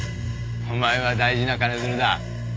お前は大事な金づるだ。